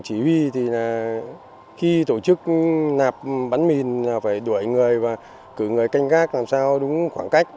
chỉ huy thì khi tổ chức nạp bắn mìn là phải đuổi người và cử người canh gác làm sao đúng khoảng cách